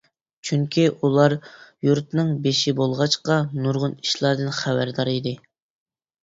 چۈنكى ئۇلار يۇرتنىڭ بېشى بولغاچقا نۇرغۇن ئىشلاردىن خەۋەردار ئىدى.